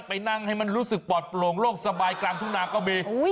ไปนั่งให้มันรู้สึกปลอดโปร่งโลกสบายกลางทุ่งนาก็มี